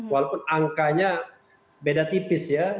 walaupun angkanya beda tipis ya